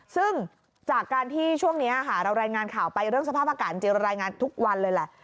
ซึ่งจากการที่ช่วงนี้ค่ะเรารายงานข่าวไปเรื่องสภาพอากาศจริงเรารายงานทุกวันเลยแหละ